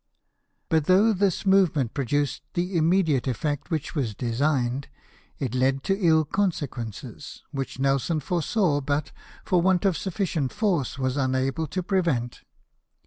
But though this movement produced the imme diate effect which was designed, it led to ill conse quences, which NeLson foresaw, but, for want of sufficient force, was unable to prevent.